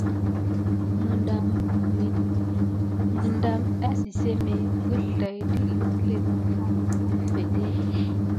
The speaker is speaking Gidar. Miɗe miŋɗɑm ésisémé əslay dət iŋkle noffo gum əffete.